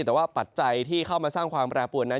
แต่ว่าปัจจัยที่เข้ามาสร้างความแปรปวนนั้น